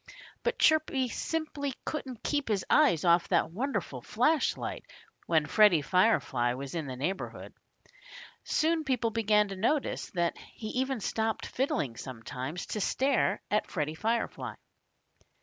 But Chirpy simply couldn't keep his eyes off that wonderful flash light when Freddie Firefly was in the neighborhood. People began to notice that he even stopped fiddling sometimes, to stare at Freddie Firefly.